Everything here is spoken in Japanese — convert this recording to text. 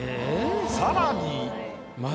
さらに。